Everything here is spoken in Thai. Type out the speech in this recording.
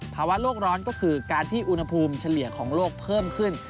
ภาวะโลกร้อนก็คือการที่อุณหภูมิเฉลี่ยของโลกเพิ่มขึ้น